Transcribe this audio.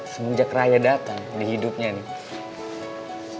semenjak raya datang di hidupnya nih